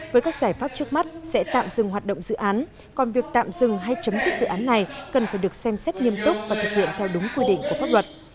với các giải pháp trước mắt sẽ tạm dừng hoạt động dự án còn việc tạm dừng hay chấm dứt dự án này cần phải được xem xét nghiêm túc và thực hiện theo đúng quy định của pháp luật